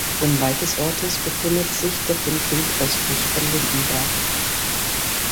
Unweit des Ortes befindet sich der Findling östlich von Lindenberg.